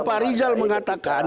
pak rizal mengatakan